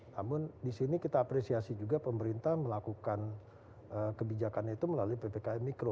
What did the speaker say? namun di sini kita apresiasi juga pemerintah melakukan kebijakan itu melalui ppkm mikro